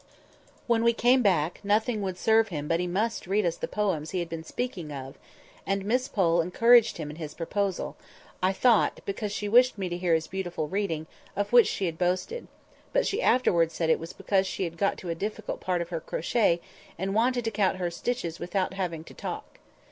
When we came back, nothing would serve him but he must read us the poems he had been speaking of; and Miss Pole encouraged him in his proposal, I thought, because she wished me to hear his beautiful reading, of which she had boasted; but she afterwards said it was because she had got to a difficult part of her crochet, and wanted to count her stitches without having to talk.